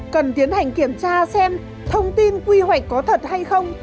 cần tiến hành kiểm tra xem thông tin quy hoạch có thật hay không